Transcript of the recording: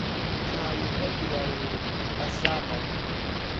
Kaj hodiaŭ… la samo.